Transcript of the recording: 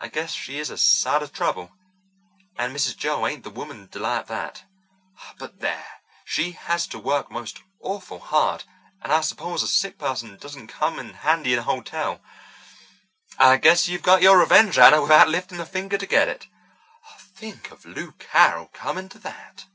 I guess she is a sight of trouble, and Mrs. Joel ain't the woman to like that. But there! She has to work most awful hard, and I suppose a sick person doesn't come handy in a hotel. I guess you've got your revenge, Anna, without lifting a finger to get it. Think of Lou Carroll coming to that!"